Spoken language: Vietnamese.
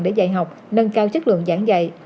để dạy học nâng cao chất lượng giảng dạy